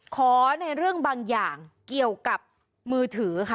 ขอในเรื่องบางอย่างเกี่ยวกับมือถือค่ะ